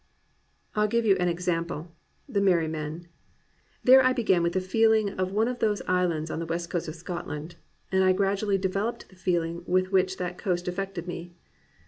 I'll give you an example — The Merry Men. There I began with the feeling of one of those islands on the west coast of Scotland, and I gradually devel oped the feeling with which that coast affected me."